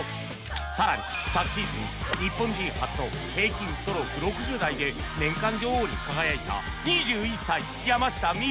更に昨シーズン日本人初の平均ストローク６０台で年間女王に輝いた２１歳山下美夢